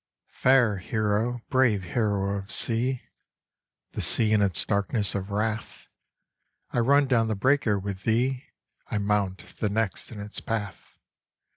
Fair hero, brave hero of sea The sea in its darkness of wrath! I run down the breaker with thee, I mount the next in its path.